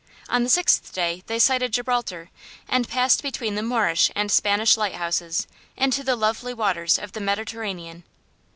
On the sixth day they sighted Gibraltar and passed between the Moorish and Spanish lighthouses into the lovely waters of the Mediterranean.